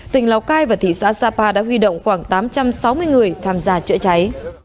tỉnh lào cai và thị xã sapa đã huy động khoảng tám trăm sáu mươi người tham gia chữa cháy